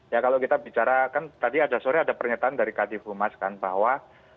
ya kalau kita bicara kan tadi ada sorry ada pernyataan dari kak tifu mas kan bahwa